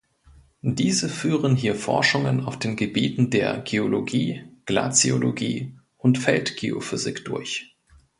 Diese führen hier Forschungen auf den Gebieten der Geologie, Glaziologie und Feld-Geophysik durch.